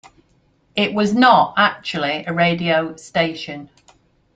It was not actually a radio "station".